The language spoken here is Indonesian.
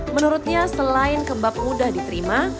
menurutnya selain kebab mudah diterima